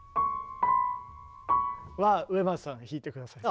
は植松さんが弾いてください。